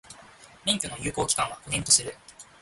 免許の有効期間は、五年とする。